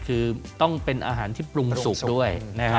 คือต้องเป็นอาหารที่ปรุงสุกด้วยนะครับ